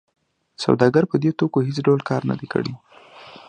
سوداګر په دې توکو هېڅ ډول کار نه دی کړی